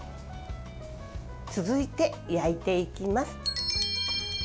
続いて、焼いていきます。